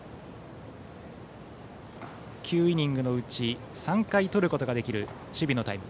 ９イニングのうち３回とることができる守備のタイム。